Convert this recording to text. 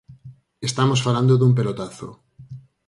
Estamos falando dun pelotazo.